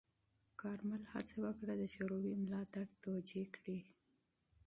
کارمل هڅه وکړه چې د شوروي ملاتړ توجیه کړي.